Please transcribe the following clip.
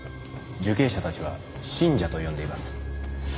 受刑者たちは信者と呼んでいます。